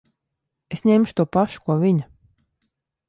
Es ņemšu to pašu, ko viņa.